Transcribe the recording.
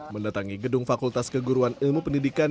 mendatangi gedung fakultas keguruan ilmu pendidikan